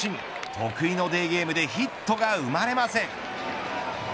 得意のデーゲームでヒットが生まれません。